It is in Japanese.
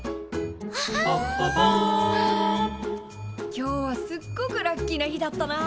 今日はすっごくラッキーな日だったな。